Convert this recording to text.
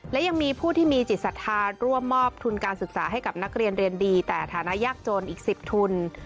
และยังมีผู้ที่มีจิตศรัทธาร่วมมอบทุนการศึกษาให้กับนักเรียนเรียนดีแต่ฐานะยากจนอีก๑๐ทุน